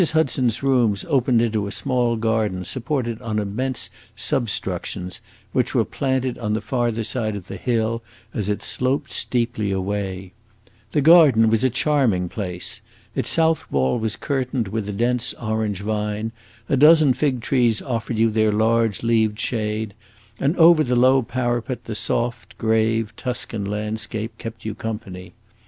Hudson's rooms opened into a small garden supported on immense substructions, which were planted on the farther side of the hill, as it sloped steeply away. This garden was a charming place. Its south wall was curtained with a dense orange vine, a dozen fig trees offered you their large leaved shade, and over the low parapet the soft, grave Tuscan landscape kept you company.